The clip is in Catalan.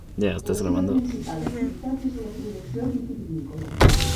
La seva principal activitat és la producció vitivinícola.